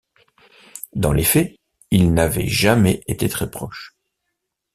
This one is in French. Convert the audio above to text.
Dans les faits, ils n'avaient jamais été très proches.